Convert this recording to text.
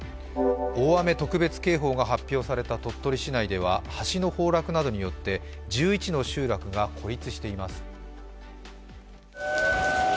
大雨特別警報が発表された鳥取市内では橋の崩落などによって１１の集落が孤立しています。